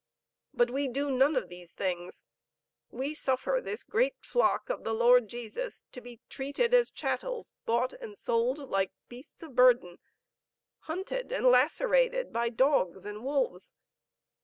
But we do none of those things. We suffer this great flock of the Lord Jesus to be treated as chattels, bought and sold, like beasts of burden, hunted and lacerated by dogs and wolves.